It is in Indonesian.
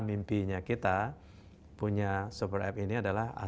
di mekah atau madinah